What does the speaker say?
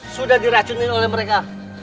sudah diracunin oleh mereka